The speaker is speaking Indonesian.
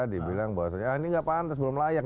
dibilang bahwa ini gak pantas belum layak